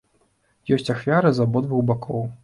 Ёсць ахвяры з абодвух бакоў.